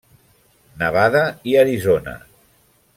Nevada i Arizona.